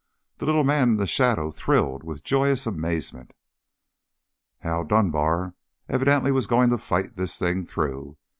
The little man in the shadow thrilled with joyous amazement. Hal Dunbar evidently was going to fight the thing through.